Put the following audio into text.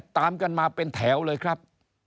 ตามกันมาเป็นแถวเลยครับ